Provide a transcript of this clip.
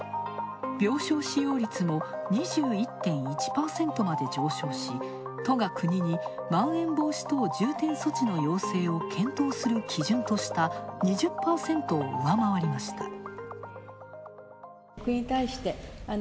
病床使用率も２１．１％まで上昇し、都が国にまん延防止等重点措置の要請を検討する基準とした２０％を上回りました。